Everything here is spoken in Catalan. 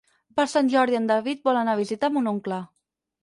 Per Sant Jordi en David vol anar a visitar mon oncle.